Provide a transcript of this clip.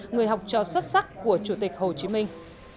người học trò xuất sắc của chủ tịch hồ chí minh